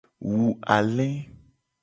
Wu ale.